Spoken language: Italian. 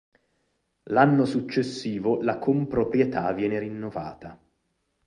L'anno successivo la comproprietà viene rinnovata.